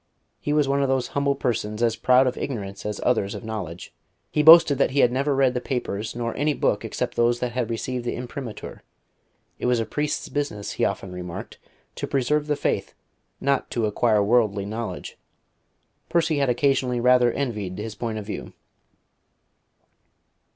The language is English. He was one of those humble persons as proud of ignorance as others of knowledge. He boasted that he never read the papers nor any book except those that had received the imprimatur; it was a priest's business, he often remarked, to preserve the faith, not to acquire worldly knowledge. Percy had occasionally rather envied his point of view.